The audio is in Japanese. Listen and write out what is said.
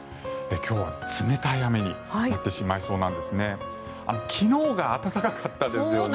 今日は冷たい雨になってしまいそうなんですね。